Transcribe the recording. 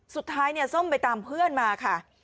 สุดท้ายเนี่ยส้มไปตามเพื่อนมาค่ะ